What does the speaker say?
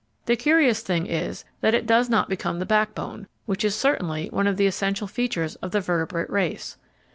The curious thing is that it does not become the backbone, which is certainly one of the essential features of the vertebrate race.